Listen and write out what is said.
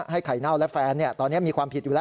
ให้ไข่เน่าและแฟนเนี่ยตอนเนี้ยมีความผิดอยู่แล้ว